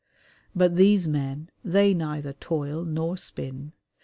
But these men, they neither toil nor spin.